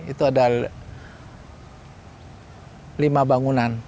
itu ada lima bangunan